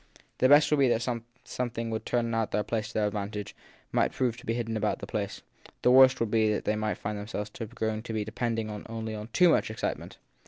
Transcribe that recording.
The best would be that something that would turn out to their advantage might prove to be hidden about the place ; the worst would be that they might find themselves growing to depend only too much on excitement.